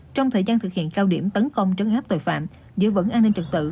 trong thời gian thực hiện cao điểm tấn công trấn áp tội phạm giữ vững an ninh trật tự